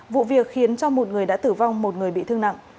vụ việc khiến cho một người đã tử vong một người bị thương nặng